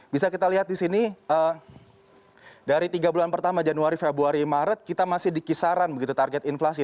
bisa kita lihat di sini dari tiga bulan pertama januari februari maret kita masih di kisaran begitu target inflasi